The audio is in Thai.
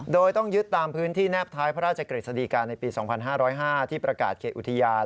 โดยต้องยึดตามพื้นที่แนบท้ายพระราชกฤษฎีกาในปี๒๕๐๕ที่ประกาศเขตอุทยาน